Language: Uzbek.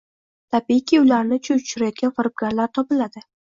tabiiyki ularni chuv tushiradigan firibgarlar topiladi.